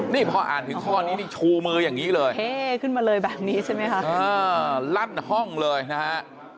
นี่พออ่านถึงข้อนี้นี่ชูมืออย่างนี้เลยเท่ขึ้นมาเลยแบบนี้ใช่ไหมคะลั่นห้องเลยนะฮะ